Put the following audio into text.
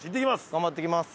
頑張ってきます。